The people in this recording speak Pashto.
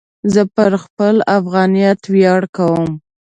زه په خپل افغانیت ویاړ کوم.